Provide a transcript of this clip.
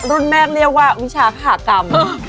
รุ่นแม่ก็เรียกว่าวิชาศาสตร์กรรม